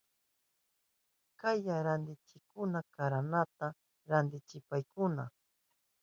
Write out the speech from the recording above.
Yaya rukunchikuna karakunata rantichipayarkakuna.